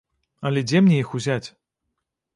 Але дзе мне іх узяць?